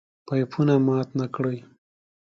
پيپونه مات نکړئ!